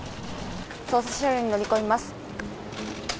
捜査車両に乗り込みます。